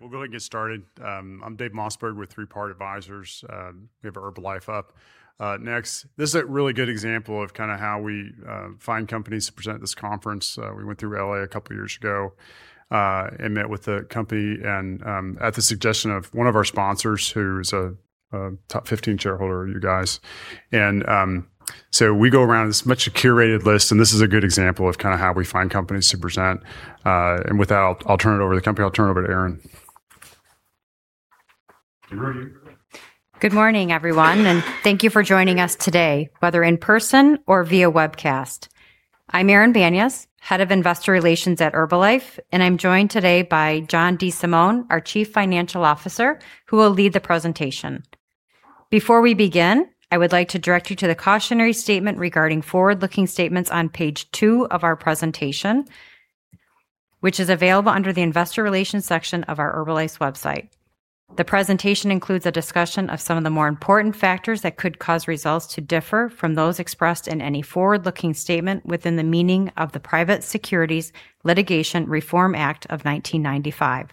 All right, we'll go ahead and get started. I'm Dave Mossberg with Three Part Advisors. We have Herbalife up next. This is a really good example of how we find companies to present at this conference. We went through L.A. a couple of years ago and met with the company and at the suggestion of one of our sponsors, who's a top 15 shareholder of you guys. We go around, it's much a curated list, and this is a good example of how we find companies to present. I'll turn it over to the company. I'll turn it over to Erin. Good morning, everyone. Thank you for joining us today, whether in person or via webcast. I'm Erin Banyas, Head of Investor Relations at Herbalife, and I'm joined today by John DeSimone, our Chief Financial Officer, who will lead the presentation. Before we begin, I would like to direct you to the cautionary statement regarding forward-looking statements on page two of our presentation, which is available under the Investor Relations section of our Herbalife's website. The presentation includes a discussion of some of the more important factors that could cause results to differ from those expressed in any forward-looking statement within the meaning of the Private Securities Litigation Reform Act of 1995.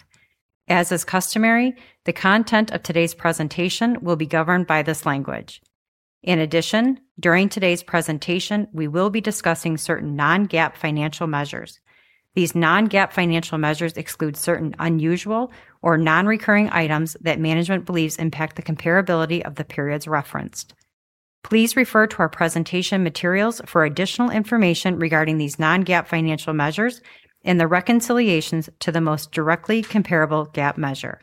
As is customary, the content of today's presentation will be governed by this language. In addition, during today's presentation, we will be discussing certain non-GAAP financial measures. These non-GAAP financial measures exclude certain unusual or non-recurring items that management believes impact the comparability of the periods referenced. Please refer to our presentation materials for additional information regarding these non-GAAP financial measures and the reconciliations to the most directly comparable GAAP measure.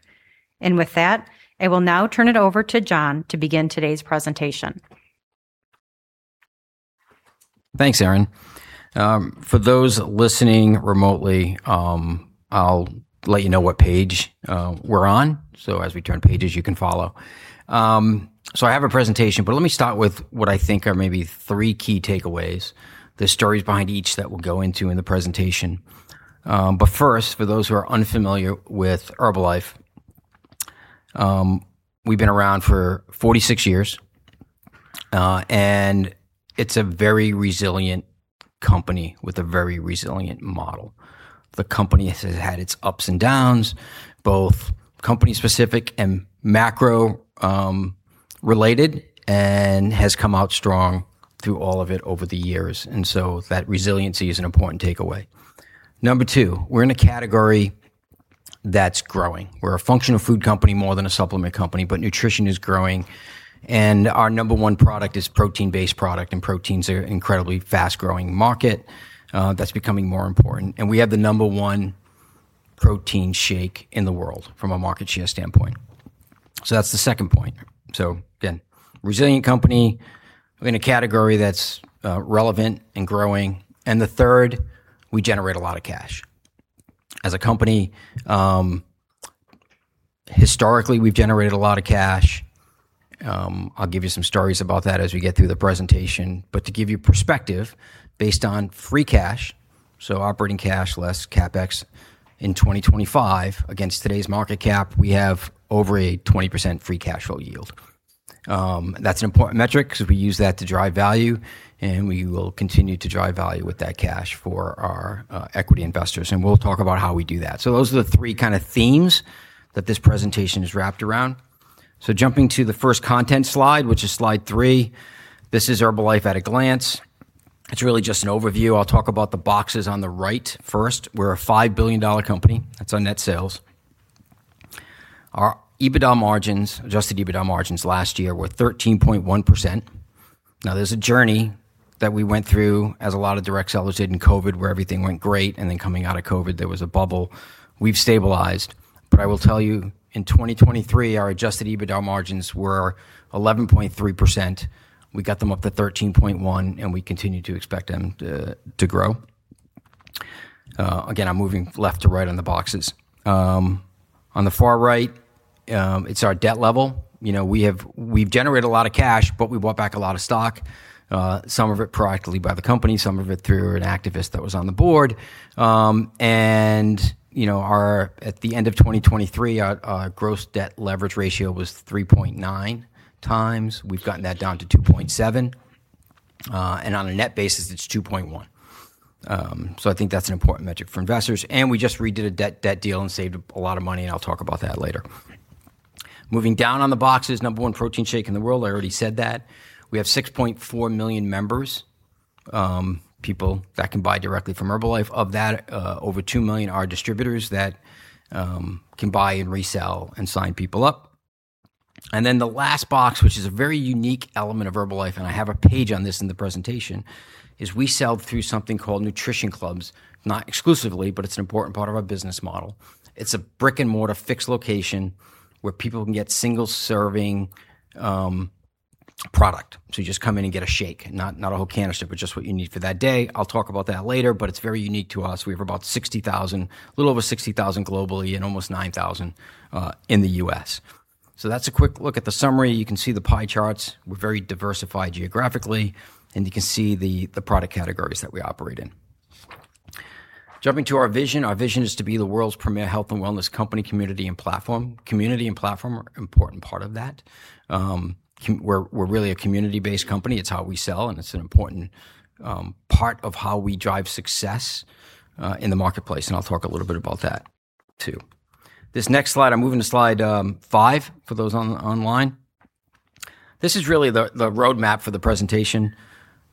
With that, I will now turn it over to John to begin today's presentation. Thanks, Erin. For those listening remotely, I'll let you know what page we're on, so as we turn pages, you can follow. I have a presentation, but let me start with what I think are maybe three key takeaways, the stories behind each that we'll go into in the presentation. First, for those who are unfamiliar with Herbalife, we've been around for 46 years. It's a very resilient company with a very resilient model. The company has had its ups and downs, both company specific and macro related, and has come out strong through all of it over the years. That resiliency is an important takeaway. Number two, we're in a category that's growing. We're a functional food company more than a supplement company, nutrition is growing, and our number one product is protein-based product, and proteins are an incredibly fast-growing market that's becoming more important. We have the number one protein shake in the world from a market share standpoint. That's the second point. Again, resilient company. We're in a category that's relevant and growing. The third, we generate a lot of cash. As a company, historically, we've generated a lot of cash. I'll give you some stories about that as we get through the presentation. To give you perspective, based on free cash, so operating cash less CapEx, in 2025 against today's market cap, we have over a 20% free cash flow yield. That's an important metric because we use that to drive value, and we will continue to drive value with that cash for our equity investors, and we'll talk about how we do that. Those are the three kind of themes that this presentation is wrapped around. Jumping to the first content slide, which is slide three. This is Herbalife at a glance. It's really just an overview. I'll talk about the boxes on the right first. We're a $5 billion company. That's our net sales. Our adjusted EBITDA margins last year were 13.1%. Now, there's a journey that we went through, as a lot of direct sellers did in COVID, where everything went great, and then coming out of COVID, there was a bubble. We've stabilized. I will tell you, in 2023, our adjusted EBITDA margins were 11.3%. We got them up to 13.1%, we continue to expect them to grow. Again, I'm moving left to right on the boxes. On the far right, it's our debt level. We've generated a lot of cash, we bought back a lot of stock. Some of it proactively by the company, some of it through an activist that was on the Board. At the end of 2023, our gross debt leverage ratio was 3.9x. We've gotten that down to 2.7x. On a net basis, it's 2.1x. I think that's an important metric for investors. We just redid a debt deal and saved a lot of money, and I'll talk about that later. Moving down on the boxes, number one protein shake in the world. I already said that. We have 6.4 million members, people that can buy directly from Herbalife. Of that, over 2 million are distributors that can buy and resell and sign people up. The last box, which is a very unique element of Herbalife, and I have a page on this in the presentation, is we sell through something called Nutrition Clubs. Not exclusively, it's an important part of our business model. It's a brick-and-mortar fixed location where people can get single-serving product. You just come in and get a shake, not a whole canister, just what you need for that day. I'll talk about that later, it's very unique to us. We have a little over 60,000 globally and almost 9,000 in the U.S. That's a quick look at the summary. You can see the pie charts. We're very diversified geographically, you can see the product categories that we operate in. Jumping to our vision. Our vision is to be the world's premier health and wellness company, community, and platform. Community and platform are an important part of that. We're really a community-based company. It's how we sell, it's an important part of how we drive success in the marketplace, I'll talk a little bit about that, too. This next slide, I'm moving to slide five for those online. This is really the roadmap for the presentation.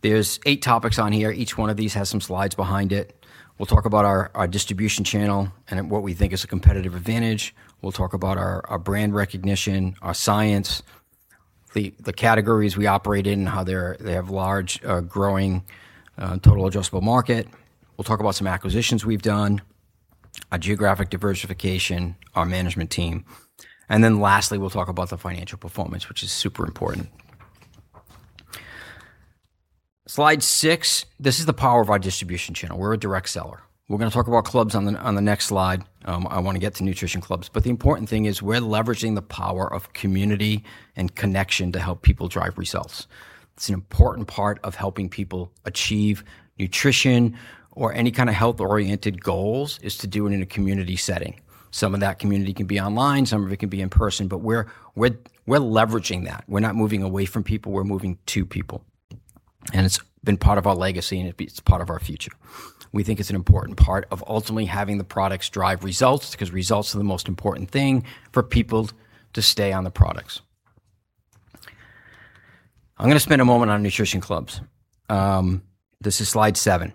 There's eight topics on here. Each one of these has some slides behind it. We'll talk about our distribution channel and what we think is a competitive advantage. We'll talk about our brand recognition, our science, the categories we operate in, how they have large growing total adjustable market. We'll talk about some acquisitions we've done, our geographic diversification, our management team. Lastly, we'll talk about the financial performance, which is super important. Slide six. This is the power of our distribution channel. We're a direct seller. We're going to talk about clubs on the next slide. I want to get to Nutrition Clubs. The important thing is we're leveraging the power of community and connection to help people drive results. It's an important part of helping people achieve nutrition or any kind of health-oriented goals is to do it in a community setting. Some of that community can be online, some of it can be in person, we're leveraging that. We're not moving away from people, we're moving to people, it's been part of our legacy, it's part of our future. We think it's an important part of ultimately having the products drive results, because results are the most important thing for people to stay on the products. I'm going to spend a moment on Nutrition Clubs. This is slide seven.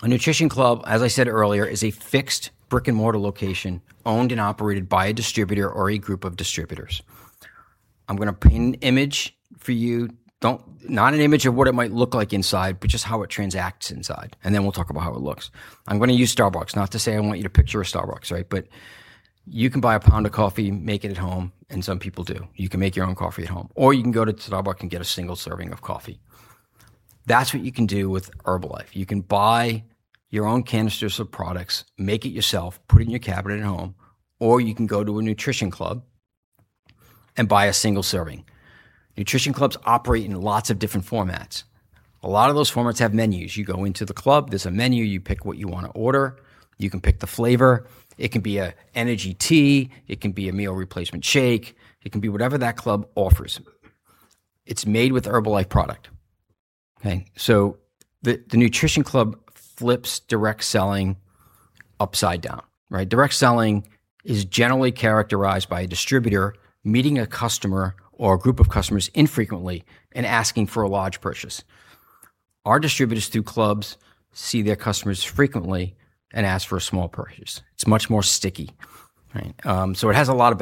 A Nutrition Club, as I said earlier, is a fixed brick-and-mortar location owned and operated by a distributor or a group of distributors. I'm going to paint an image for you. Not an image of what it might look like inside, just how it transacts inside, then we'll talk about how it looks. I'm going to use Starbucks. Not to say I want you to picture a Starbucks, right? You can buy a pound of coffee, make it at home, some people do. You can make your own coffee at home, you can go to Starbucks and get a single serving of coffee. That's what you can do with Herbalife. You can buy your own canisters of products, make it yourself, put it in your cabinet at home, you can go to a Nutrition Club and buy a single serving. Nutrition Clubs operate in lots of different formats. A lot of those formats have menus. You go into the club, there's a menu, you pick what you want to order. You can pick the flavor. It can be an energy tea, it can be a meal replacement shake. It can be whatever that club offers. It's made with Herbalife product. Okay. The Nutrition Club flips direct selling upside down, right. Direct selling is generally characterized by a distributor meeting a customer or a group of customers infrequently and asking for a large purchase. Our distributors through clubs see their customers frequently and ask for a small purchase. It's much more sticky, right. It has a lot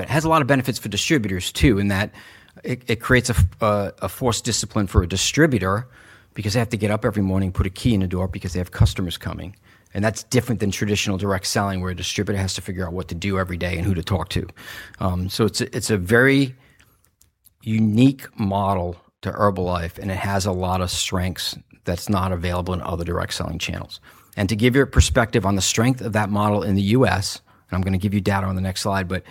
of benefits for distributors, too, in that it creates a forced discipline for a distributor because they have to get up every morning, put a key in the door because they have customers coming. That's different than traditional direct selling where a distributor has to figure out what to do every day and who to talk to. It's a very unique model to Herbalife, and it has a lot of strengths that's not available in other direct selling channels. To give you a perspective on the strength of that model in the U.S., and I'm going to give you data on the next slide, but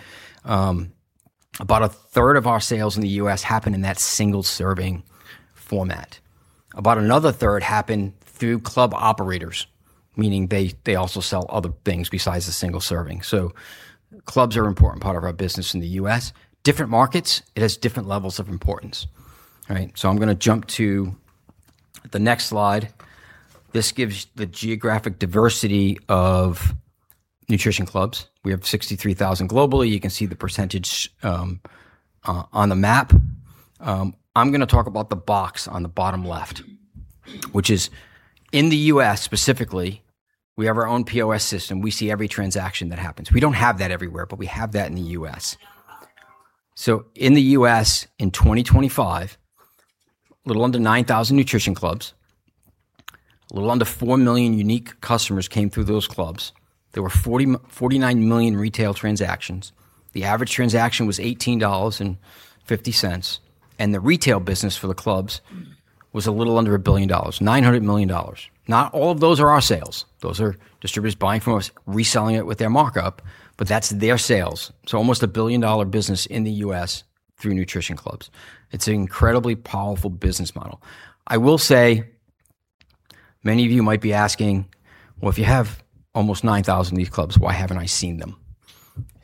about a third of our sales in the U.S. happen in that single-serving format. About another third happen through club operators, meaning they also sell other things besides the single serving. Clubs are an important part of our business in the U.S.. Different markets, it has different levels of importance. All right. I'm going to jump to the next slide. This gives the geographic diversity of Nutrition Clubs. We have 63,000 globally. You can see the percentage on the map. I'm going to talk about the box on the bottom left, which is in the U.S. specifically, we have our own POS system. We see every transaction that happens. We don't have that everywhere, but we have that in the U.S.. In the U.S. in 2025, a little under 9,000 Nutrition Clubs, a little under 4 million unique customers came through those clubs. There were 49 million retail transactions. The average transaction was $18.50. The retail business for the clubs was a little under $1 billion, $900 million. Not all of those are our sales. Those are distributors buying from us, reselling it with their markup, That's their sales. Almost a billion-dollar business in the U.S. through Nutrition Clubs. It's an incredibly powerful business model. I will say many of you might be asking, well, if you have almost 9,000 of these clubs, why haven't I seen them?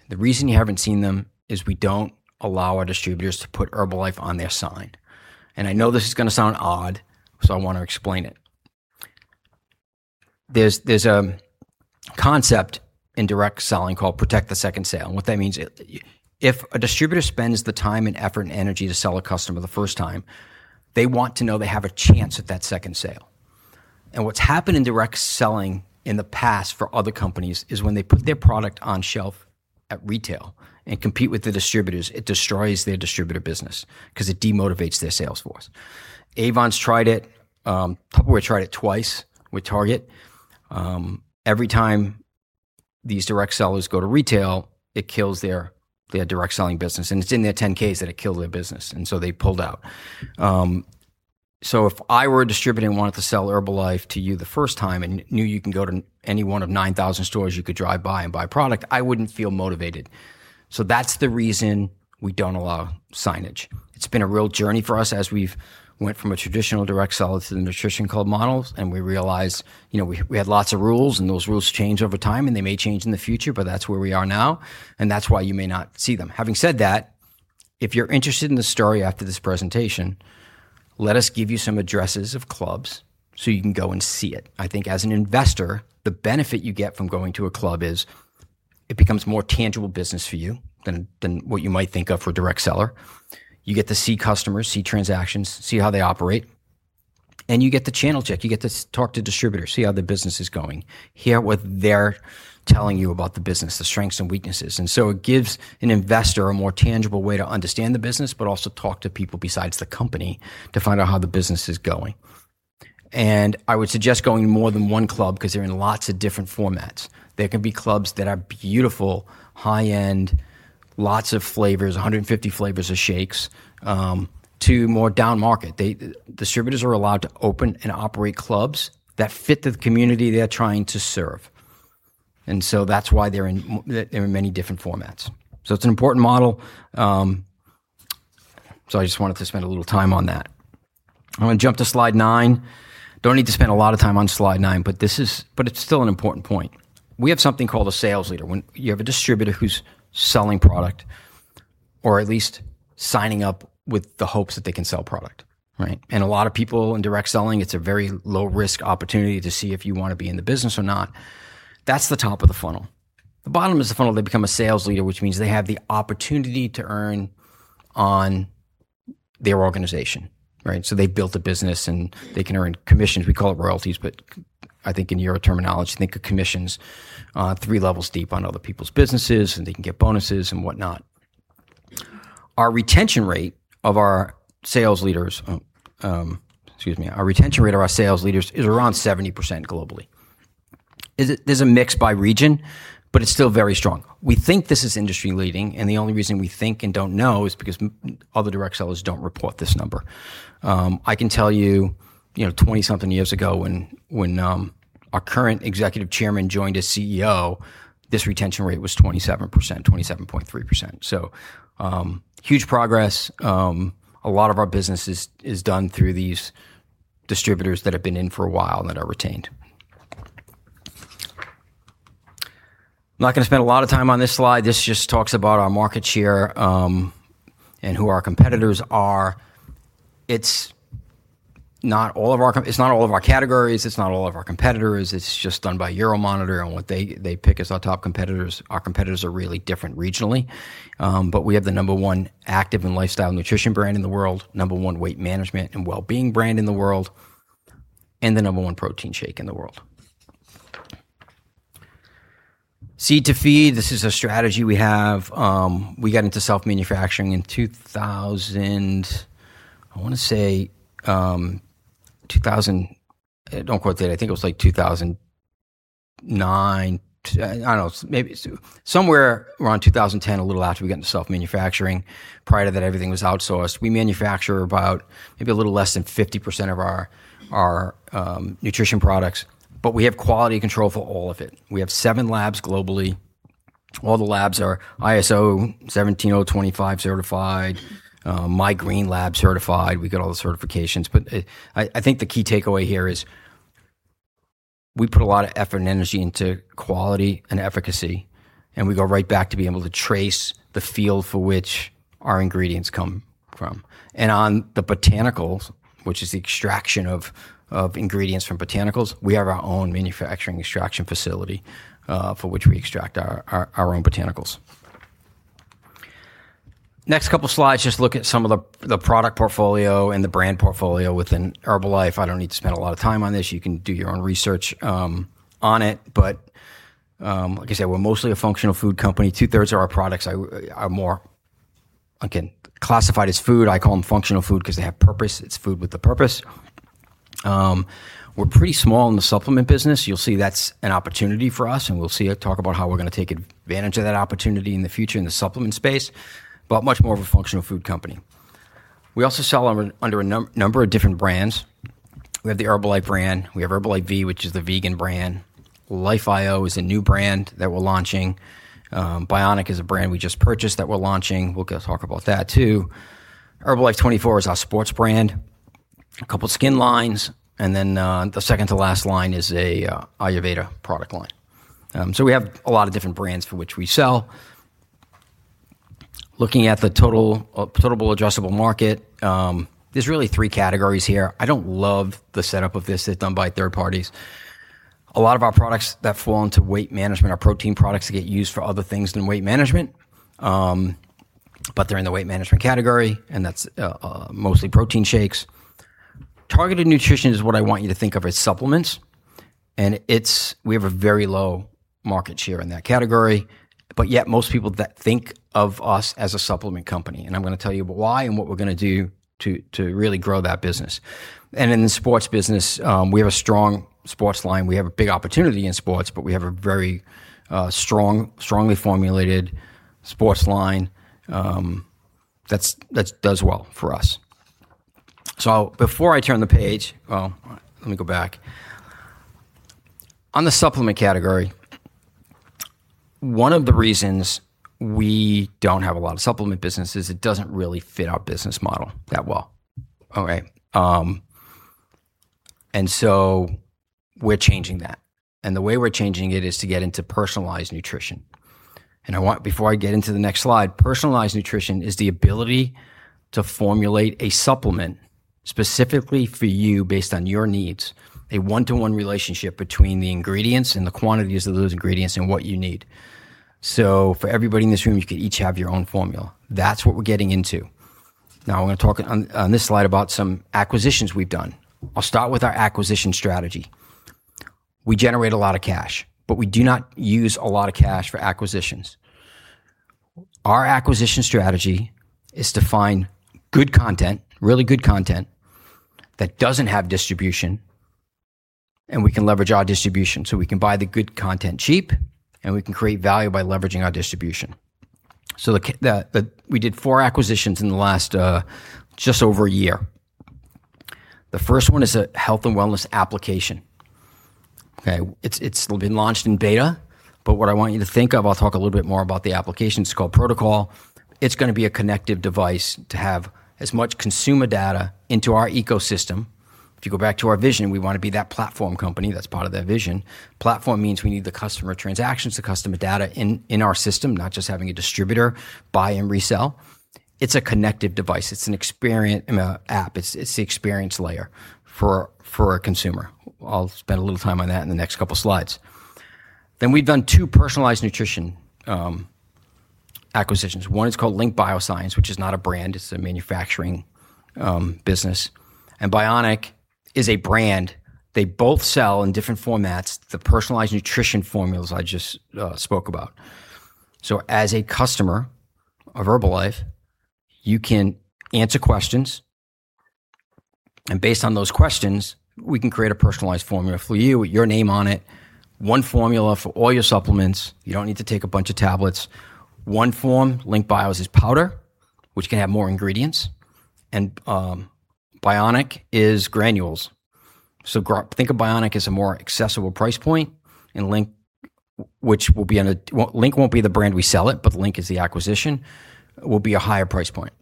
The reason you haven't seen them is we don't allow our distributors to put Herbalife on their sign. I know this is going to sound odd, so I want to explain it. There's a concept in direct selling called protect the second sale, and what that means, if a distributor spends the time and effort and energy to sell a customer the first time, they want to know they have a chance at that second sale. What's happened in direct selling in the past for other companies is when they put their product on shelf at retail and compete with the distributors, it destroys their distributor business because it demotivates their sales force. Avon tried it. Tupperware tried it twice with Target. Every time these direct sellers go to retail, it kills their direct selling business, it's in their 10-Ks that it killed their business, they pulled out. If I were a distributor and wanted to sell Herbalife to you the first time and knew you can go to any one of 9,000 stores you could drive by and buy product, I wouldn't feel motivated. That's the reason we don't allow signage. It's been a real journey for us as we've went from a traditional direct seller to the Nutrition Club models. We realized we had lots of rules, those rules change over time, they may change in the future, but that's where we are now, that's why you may not see them. Having said that, if you're interested in the story after this presentation, let us give you some addresses of clubs so you can go and see it. I think as an investor, the benefit you get from going to a club is. It becomes more tangible business for you than what you might think of for a direct seller. You get to see customers, see transactions, see how they operate, you get to channel check. You get to talk to distributors, see how the business is going, hear what they're telling you about the business, the strengths and weaknesses. It gives an investor a more tangible way to understand the business, but also talk to people besides the company to find out how the business is going. I would suggest going to more than one club because they're in lots of different formats. There can be clubs that are beautiful, high-end, lots of flavors, 150 flavors of shakes, to more down-market. Distributors are allowed to open and operate clubs that fit the community they're trying to serve. That's why they're in many different formats. It's an important model, I just wanted to spend a little time on that. I'm going to jump to slide nine. Don't need to spend a lot of time on slide nine, it's still an important point. We have something called a sales leader. When you have a distributor who's selling product or at least signing up with the hopes that they can sell product. Right? A lot of people in direct selling, it's a very low-risk opportunity to see if you want to be in the business or not. That's the top of the funnel. The bottom of the funnel, they become a sales leader, which means they have the opportunity to earn on their organization. Right? They've built a business, they can earn commissions. We call it royalties, I think in your terminology, think of commissions three levels deep on other people's businesses, they can get bonuses and whatnot. Our retention rate of our sales leaders, excuse me, our retention rate of our sales leaders is around 70% globally. There's a mix by region, but it's still very strong. We think this is industry-leading, and the only reason we think and don't know is because other direct sellers don't report this number. I can tell you, 20-something years ago when our current Executive Chairman joined as CEO, this retention rate was 27%, 27.3%. Huge progress. A lot of our business is done through these distributors that have been in for a while and that are retained. I'm not going to spend a lot of time on this slide. This just talks about our market share and who our competitors are. It's not all of our categories, it's not all of our competitors. It's just done by Euromonitor and what they pick as our top competitors. Our competitors are really different regionally. We have the number one active and lifestyle nutrition brand in the world, number one weight management and well-being brand in the world, and the number one protein shake in the world. Seed to Feed, this is a strategy we have. We got into self-manufacturing in 2000, I want to say, 2000. Don't quote that. I think it was like 2009. I don't know. Somewhere around 2010, a little after we got into self-manufacturing. Prior to that, everything was outsourced. We manufacture about maybe a little less than 50% of our nutrition products, but we have quality control for all of it. We have seven labs globally. All the labs are ISO/IEC 17025 certified, My Green Lab certified. We got all the certifications. I think the key takeaway here is we put a lot of effort and energy into quality and efficacy, and we go right back to being able to trace the field for which our ingredients come from. On the botanicals, which is the extraction of ingredients from botanicals, we have our own manufacturing extraction facility, for which we extract our own botanicals. Next couple slides just look at some of the product portfolio and the brand portfolio within Herbalife. I don't need to spend a lot of time on this. You can do your own research on it. Like I said, we're mostly a functional food company. Two-thirds of our products are more, again, classified as food. I call them functional food because they have purpose. It's food with a purpose. We're pretty small in the supplement business. You'll see that's an opportunity for us, and we'll talk about how we're going to take advantage of that opportunity in the future in the supplement space. Much more of a functional food company. We also sell under a number of different brands. We have the Herbalife brand. We have Herbalife V, which is the vegan brand. Life I/O is a new brand that we're launching. Bioniq is a brand we just purchased that we're launching. We'll talk about that, too. Herbalife24 is our sports brand. A couple skin lines. The second to last line is an Ayurveda product line. We have a lot of different brands for which we sell. Looking at the total addressable market, there's really three categories here. I don't love the setup of this. It's done by third parties. A lot of our products that fall into weight management are protein products that get used for other things than weight management. They're in the weight management category, and that's mostly protein shakes. Targeted nutrition is what I want you to think of as supplements, and we have a very low market share in that category. Yet, most people think of us as a supplement company. I'm going to tell you why and what we're going to do to really grow that business. In the sports business, we have a strong sports line. We have a big opportunity in sports, but we have a very strongly formulated sports line that does well for us. Before I turn the page, well, let me go back. On the supplement category, one of the reasons we don't have a lot of supplement business is it doesn't really fit our business model that well. Okay. We're changing that. The way we're changing it is to get into personalized nutrition. Before I get into the next slide, personalized nutrition is the ability to formulate a supplement specifically for you based on your needs, a one-to-one relationship between the ingredients and the quantities of those ingredients and what you need. For everybody in this room, you could each have your own formula. That's what we're getting into. I'm going to talk on this slide about some acquisitions we've done. I'll start with our acquisition strategy. We generate a lot of cash, but we do not use a lot of cash for acquisitions. Our acquisition strategy is to find good content, really good content, that doesn't have distribution, and we can leverage our distribution. We can buy the good content cheap, and we can create value by leveraging our distribution. We did four acquisitions in the last just over a year. The first one is a health and wellness application. Okay. It's been launched in beta, but what I want you to think of, I'll talk a little bit more about the application, it's called Pro2col. It's going to be a connective device to have as much consumer data into our ecosystem. If you go back to our vision, we want to be that platform company. That's part of that vision. Platform means we need the customer transactions, the customer data in our system, not just having a distributor buy and resell. It's a connective device. It's an app. It's the experience layer for a consumer. I'll spend a little time on that in the next couple slides. We've done two personalized nutrition acquisitions. One is called Link BioSciences, which is not a brand, it's a manufacturing business. Bioniq is a brand. They both sell in different formats, the personalized nutrition formulas I just spoke about. As a customer of Herbalife, you can answer questions, and based on those questions, we can create a personalized formula for you with your name on it. One formula for all your supplements. You don't need to take a bunch of tablets. One form, Link BioSciences, is this powder, which can have more ingredients, and Bioniq is granules. Think of Bioniq as a more accessible price point, and Link won't be the brand we sell it, but Link is the acquisition, will be a higher price point.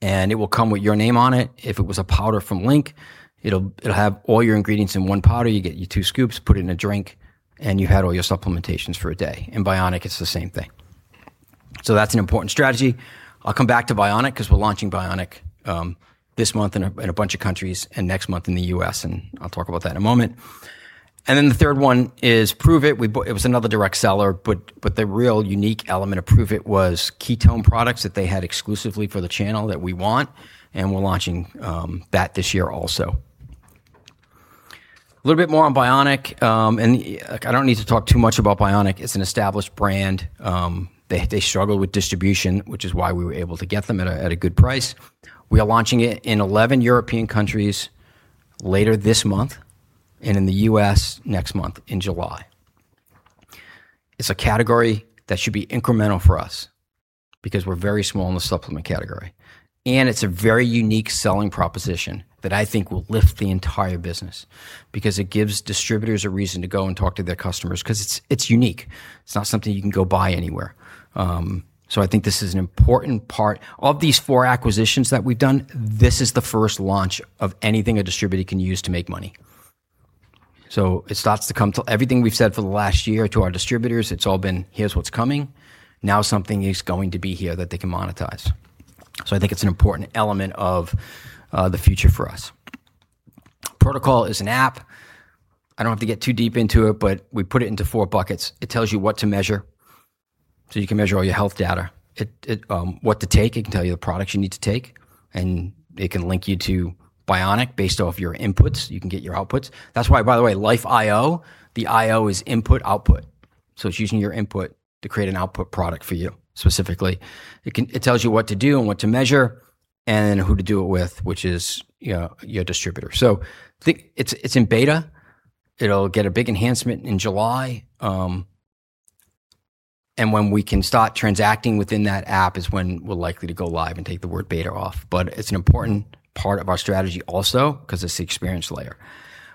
It will come with your name on it. If it was a powder from Link, it'll have all your ingredients in one powder, you get your two scoops, put it in a drink, and you've had all your supplementations for a day. In Bioniq, it's the same thing. That's an important strategy. I'll come back to Bioniq because we're launching Bioniq this month in a bunch of countries and next month in the U.S., and I'll talk about that in a moment. Then the third one is Pruvit. It was another direct seller, but the real unique element of Prüvit was ketone products that they had exclusively for the channel that we want, and we're launching that this year also. A little bit more on Bioniq. Look, I don't need to talk too much about Bioniq. It's an established brand. They struggled with distribution, which is why we were able to get them at a good price. We are launching it in 11 European countries later this month and in the U.S. next month in July. It's a category that should be incremental for us because we're very small in the supplement category, and it's a very unique selling proposition that I think will lift the entire business because it gives distributors a reason to go and talk to their customers because it's unique. It's not something you can go buy anywhere. I think this is an important part. Of these four acquisitions that we've done, this is the first launch of anything a distributor can use to make money. It starts to come to everything we've said for the last year to our distributors, it's all been, here's what's coming. Now something is going to be here that they can monetize. I think it's an important element of the future for us. Pro2col is an app. I don't have to get too deep into it, but we put it into four buckets. It tells you what to measure, so you can measure all your health data. What to take, it can tell you the products you need to take, and it can link you to Bioniq based off your inputs. You can get your outputs. That's why, by the way, Life I/O, the I/O is input/output. It's using your input to create an output product for you specifically. It tells you what to do and what to measure and who to do it with, which is your distributor. I think it's in beta. It'll get a big enhancement in July. When we can start transacting within that app is when we're likely to go live and take the word beta off. It's an important part of our strategy also because it's the experience layer.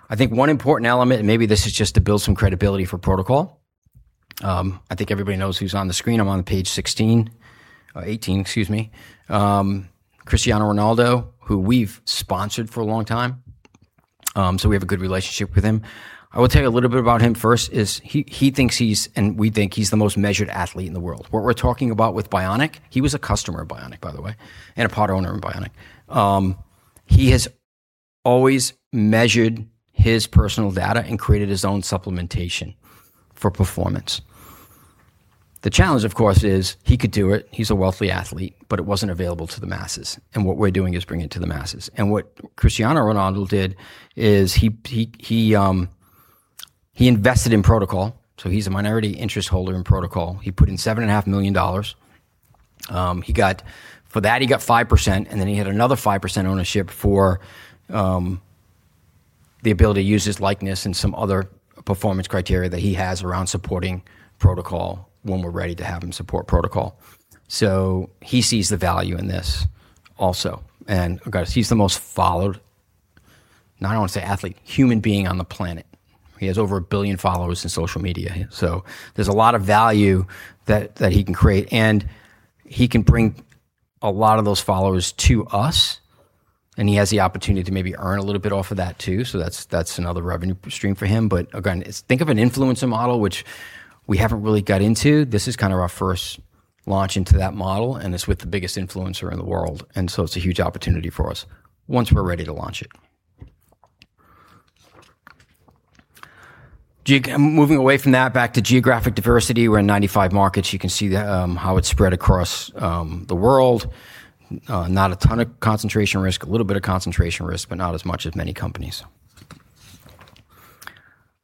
I think one important element, and maybe this is just to build some credibility for Pro2col, I think everybody knows who's on the screen. I'm on page 16, 18, excuse me. Cristiano Ronaldo, who we've sponsored for a long time, so we have a good relationship with him. I will tell you a little bit about him first is he thinks he's, and we think he's the most measured athlete in the world. What we're talking about with Bioniq, he was a customer of Bioniq, by the way, and a part owner in Bioniq. He has always measured his personal data and created his own supplementation for performance. The challenge, of course, is he could do it. He's a wealthy athlete, but it wasn't available to the masses. What we're doing is bringing it to the masses. What Cristiano Ronaldo did is he invested in Pro2col, so he's a minority interest holder in Pro2col. He put in $7.5 million. For that, he got 5%, then he had another 5% ownership for the ability to use his likeness and some other performance criteria that he has around supporting Pro2col when we're ready to have him support Pro2col. He sees the value in this also. Guys, he's the most followed, I don't want to say athlete, human being on the planet. He has over a billion followers on social media. There's a lot of value that he can create, he can bring a lot of those followers to us, he has the opportunity to maybe earn a little bit off of that too, that's another revenue stream for him. Again, think of an influencer model, which we haven't really got into. This is kind of our first launch into that model, it's with the biggest influencer in the world. It's a huge opportunity for us once we're ready to launch it. Moving away from that, back to geographic diversity. We're in 95 markets. You can see how it's spread across the world. Not a ton of concentration risk. A little bit of concentration risk, not as much as many companies.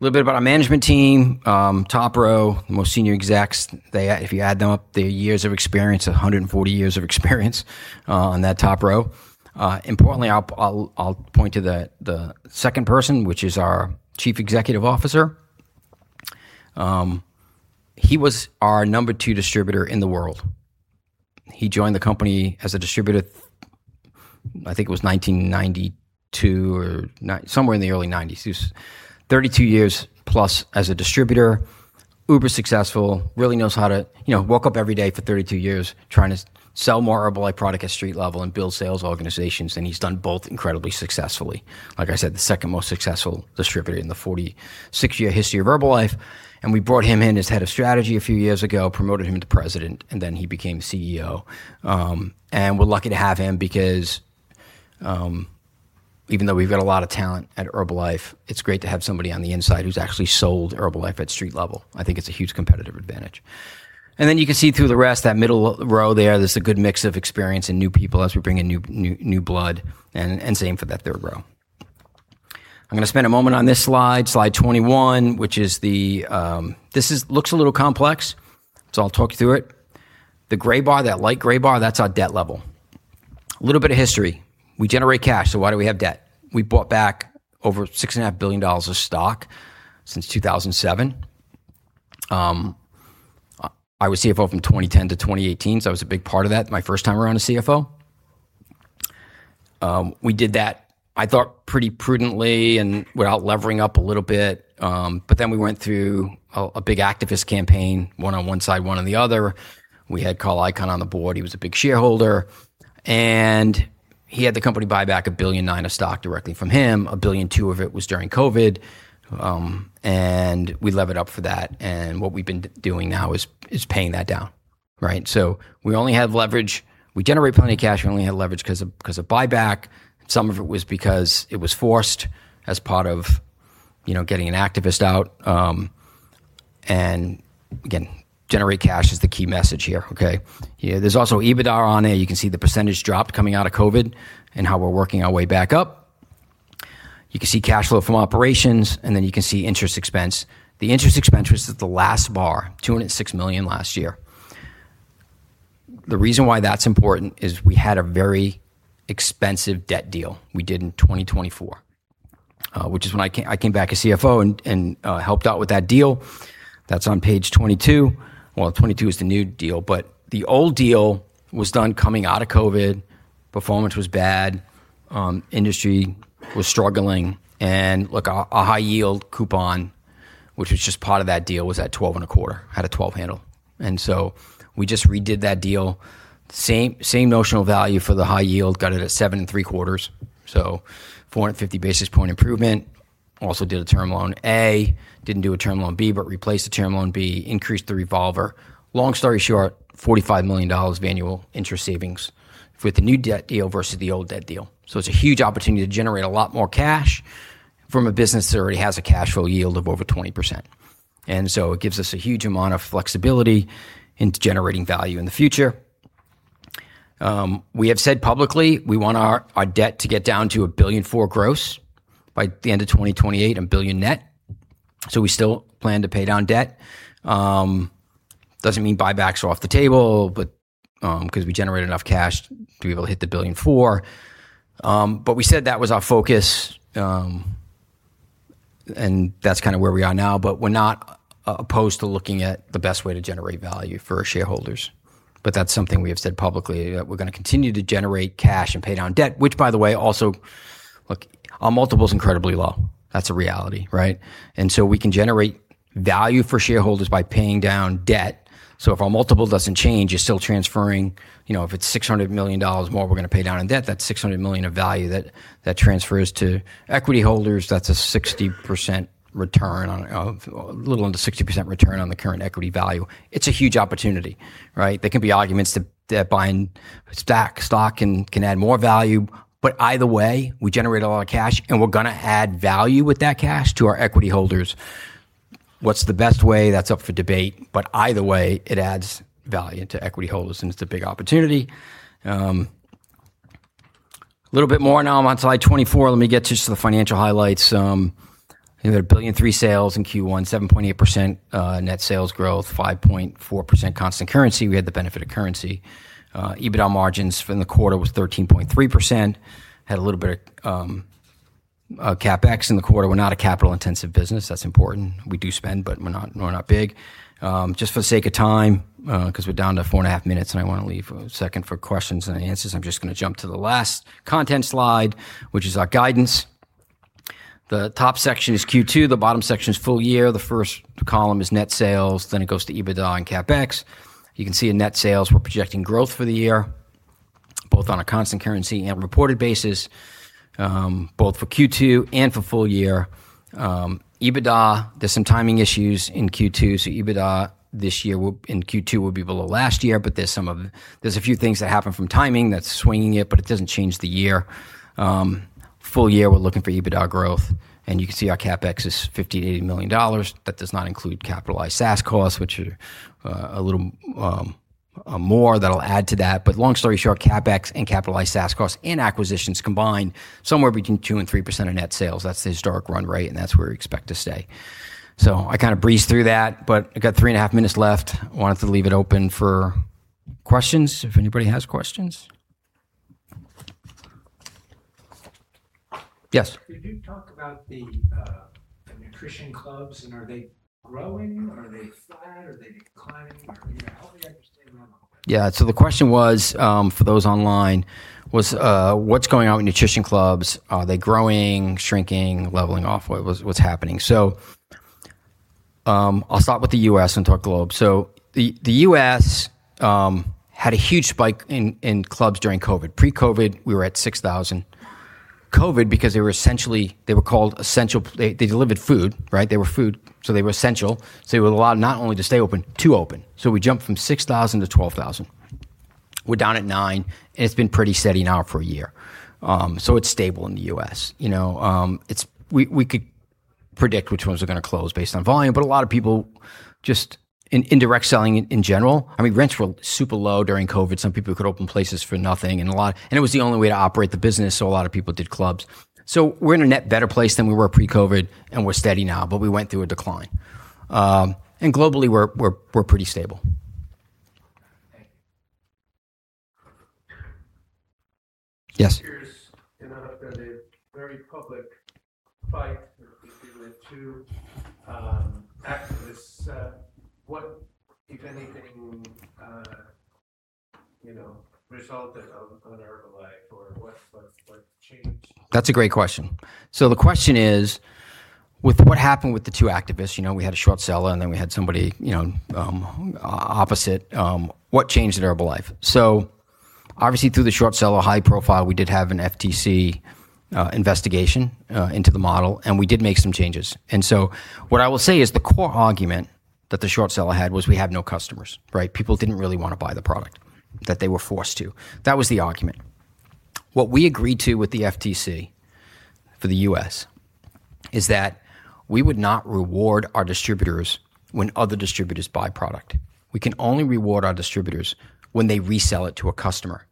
Little bit about our management team. Top row, the most senior execs, if you add them up, their years of experience, 140 years of experience on that top row. Importantly, I'll point to the second person, which is our Chief Executive Officer. He was our number two distributor in the world. He joined the company as a distributor, I think it was 1992 or somewhere in the early 90s. He's 32+ years as a distributor. Uber successful. Woke up every day for 32 years trying to sell more Herbalife product at street level and build sales organizations, he's done both incredibly successfully. Like I said, the second most successful distributor in the 46-year history of Herbalife. We brought him in as Head of Strategy a few years ago, promoted him to President, then he became CEO. We're lucky to have him because, even though we've got a lot of talent at Herbalife, it's great to have somebody on the inside who's actually sold Herbalife at street level. I think it's a huge competitive advantage. Then you can see through the rest, that middle row there's a good mix of experience and new people as we bring in new blood and same for that third row. I'm going to spend a moment on this slide 21. This looks a little complex, I'll talk you through it. The gray bar, that light gray bar, that's our debt level. Little bit of history. We generate cash, why do we have debt? We bought back over $6.5 billion of stock since 2007. I was CFO from 2010 to 2018, so I was a big part of that. My first time around as CFO. We did that, I thought, pretty prudently and without levering up a little bit. We went through a big activist campaign, one-on-one side, one on the other. We had Carl Icahn on the Board. He was a big shareholder. He had the company buy back a 1.9 billion of stock directly from him. A 1.2 billion of it was during COVID. We levered up for that. What we've been doing now is paying that down. Right? We only have leverage. We generate plenty of cash. We only had leverage because of buyback. Some of it was because it was forced as part of getting an activist out. Again, generate cash is the key message here. Okay? There's also EBITDA on there. You can see the percentage drop coming out of COVID and how we're working our way back up. You can see cash flow from operations, and then you can see interest expense. The interest expense is the last bar, $206 million last year. The reason why that's important is we had a very expensive debt deal we did in 2024, which is when I came back as CFO and helped out with that deal. That's on page 22. Well, 22 is the new deal, but the old deal was done coming out of COVID. Performance was bad. Industry was struggling. Look, our high yield coupon, which was just part of that deal, was at 12.25%, had a 12% handle. We just redid that deal. Same notional value for the high yield. Got it at 7.75%. 450 basis point improvement. Also did a Term Loan A. Didn't do a Term Loan B, but replaced the Term Loan B, increased the revolver. Long story short, $45 million of annual interest savings with the new debt deal versus the old debt deal. It's a huge opportunity to generate a lot more cash from a business that already has a cash flow yield of over 20%. It gives us a huge amount of flexibility into generating value in the future. We have said publicly we want our debt to get down to a $1.4 billion gross by the end of 2028 and $ 1 billion net. We still plan to pay down debt. Doesn't mean buybacks are off the table, because we generate enough cash to be able to hit the $1.4 billion. We said that was our focus, and that's kind of where we are now. We're not opposed to looking at the best way to generate value for our shareholders. That's something we have said publicly, that we're going to continue to generate cash and pay down debt. Which, by the way, also, look, our multiple's incredibly low. That's a reality, right? We can generate value for shareholders by paying down debt. If our multiple doesn't change, it's still transferring. If it's $600 million more we're going to pay down in debt, that's $600 million of value that transfers to equity holders. That's a little under 60% return on the current equity value. It's a huge opportunity, right? There can be arguments that buying stock can add more value. Either way, we generate a lot of cash, and we're going to add value with that cash to our equity holders. What's the best way? That's up for debate, but either way, it adds value into equity holders, and it's a big opportunity. Little bit more now on slide 24. Let me get just to the financial highlights. We had a $1.3 billion sales in Q1, 7.8% net sales growth, 5.4% constant currency. We had the benefit of currency. EBITDA margins for the quarter was 13.3%. Had a little bit of CapEx in the quarter. We're not a capital-intensive business. That's important. We do spend, but we're not big. Just for the sake of time, because we're down to four and a half minutes, and I want to leave a second for questions and answers. I'm just going to jump to the last content slide, which is our guidance. The top section is Q2. The bottom section is full-year. The first column is net sales. It goes to EBITDA and CapEx. You can see in net sales, we're projecting growth for the year. Both on a constant currency and reported basis, both for Q2 and for full-year. EBITDA, there's some timing issues in Q2, so EBITDA this year in Q2 will be below last year, but there's a few things that happen from timing that's swinging it, but it doesn't change the year. Full-year, we're looking for EBITDA growth. You can see our CapEx is $58 million. That does not include capitalized SaaS costs, which are a little more that'll add to that. Long story short, CapEx and capitalized SaaS costs and acquisitions combined, somewhere between 2% and 3% of net sales. That's the historic run-rate, and that's where we expect to stay. I kind of breezed through that, but I got three and a half minutes left. I wanted to leave it open for questions, if anybody has questions. Yes. Could you talk about the Nutrition Clubs, and are they growing? Are they flat? Are they declining? Help me understand them a little bit. The question was, for those online, what's going on with Nutrition Clubs? Are they growing, shrinking, leveling off? What's happening? I'll start with the U.S. and talk globe. The U.S. had a huge spike in clubs during COVID. Pre-COVID, we were at 6,000. COVID, because they delivered food, right? They were food, so they were essential. They were allowed not only to stay open, to open. We jumped from 6,000 to 12,000. We're down at nine, and it's been pretty steady now for a year. It's stable in the U.S. We could predict which ones are going to close based on volume, but a lot of people, just in direct selling in general, I mean, rents were super low during COVID. Some people could open places for nothing, it was the only way to operate the business, a lot of people did clubs. We're in a net better place than we were pre-COVID, and we're steady now, but we went through a decline. Globally, we're pretty stable. Thank you. Yes. There's been a very public fight between the two activists. What, if anything, resulted on Herbalife, or what changed? That's a great question. The question is, with what happened with the two activists, we had a short seller and then we had somebody opposite. What changed at Herbalife? Obviously through the short seller, high profile, we did have an FTC investigation into the model, and we did make some changes. What I will say is the core argument that the short seller had was we have no customers, right? People didn't really want to buy the product, that they were forced to. That was the argument. What we agreed to with the FTC for the U.S. is that we would not reward our distributors when other distributors buy product. We can only reward our distributors when they resell it to a customer,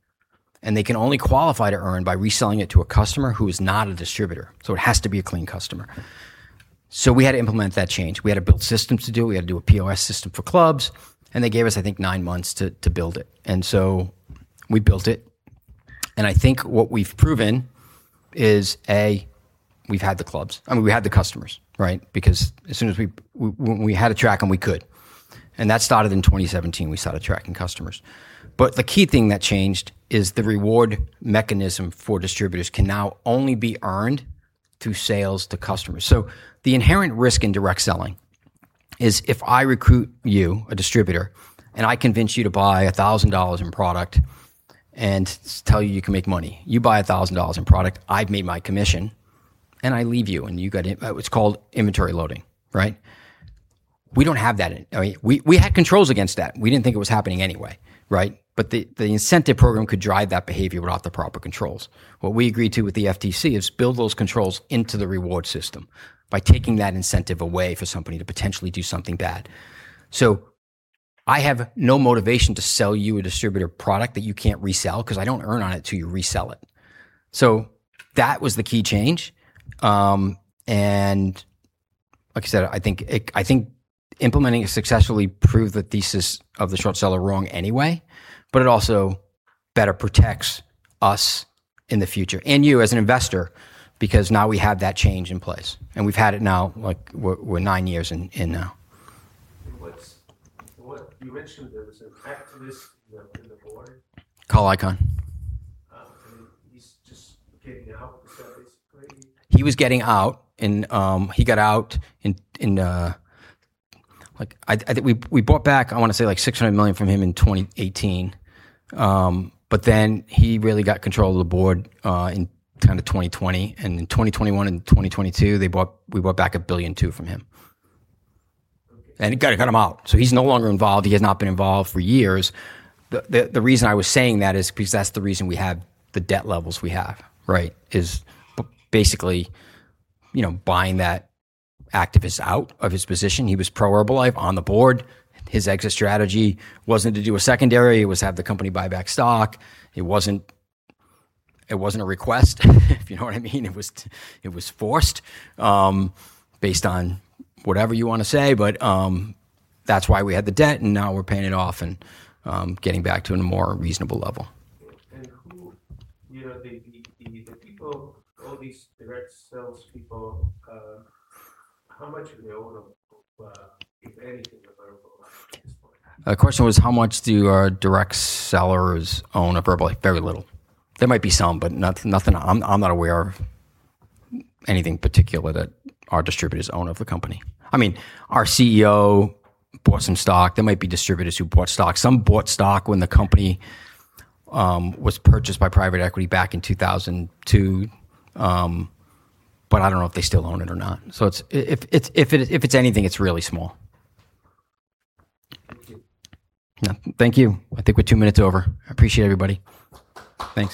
and they can only qualify to earn by reselling it to a customer who is not a distributor. It has to be a clean customer. We had to implement that change. We had to build systems to do it. We had to do a POS system for clubs, and they gave us, I think, nine months to build it, we built it. I think what we've proven is, A, we've had the clubs. I mean, we had the customers, right? Because as soon as we had a track, and we could, that started in 2017, we started tracking customers. The key thing that changed is the reward mechanism for distributors can now only be earned through sales to customers. The inherent risk in direct selling is if I recruit you, a distributor, and I convince you to buy $1,000 in product and tell you can make money. You buy $1,000 in product, I've made my commission, and I leave you, and it's called inventory loading, right? We don't have that. I mean, we had controls against that. We didn't think it was happening anyway, right? The incentive program could drive that behavior without the proper controls. What we agreed to with the FTC is build those controls into the reward system by taking that incentive away for somebody to potentially do something bad. I have no motivation to sell you a distributor product that you can't resell because I don't earn on it till you resell it. That was the key change. Like I said, I think implementing it successfully proved the thesis of the short seller wrong anyway, but it also better protects us in the future and you as an investor because now we have that change in place, and we've had it now, we're nine years in now. You mentioned there was an activist in the Board. Carl Icahn. He's just getting out. He was getting out, and he got out in, I think we bought back, I want to say like $600 million from him in 2018. He really got control of the board in kind of 2020, and in 2021 and 2022, we bought back $1.2 billion from him. Okay. Got him out. He's no longer involved. He has not been involved for years. The reason I was saying that is because that's the reason we have the debt levels we have, right? Basically buying that activist out of his position. He was pro Herbalife on the Board. His exit strategy wasn't to do a secondary. It was have the company buy back stock. It wasn't a request, if you know what I mean. That's why we had the debt, and now we're paying it off and getting back to a more reasonable level. The people, all these direct salespeople, how much do they own of, if anything, of Herbalife at this point? The question was how much do our direct sellers own of Herbalife? Very little. There might be some. I'm not aware of anything particular that our distributors own of the company. I mean, our CEO bought some stock. There might be distributors who bought stock. Some bought stock when the company was purchased by private equity back in 2002. I don't know if they still own it or not. If it's anything, it's really small. Thank you. Yeah. Thank you. I think we're two minutes over. I appreciate everybody. Thank you.